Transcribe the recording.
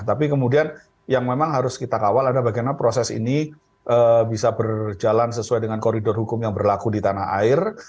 tapi kemudian yang memang harus kita kawal adalah bagaimana proses ini bisa berjalan sesuai dengan koridor hukum yang berlaku di tanah air